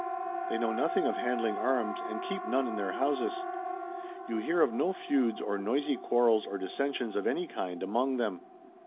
They know nothing of handling arms, and keep none in their houses. You hear of no feuds or noisy quarrels or dissensions of any kind, among them.